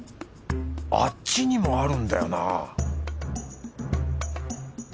あっちにもあるんだよな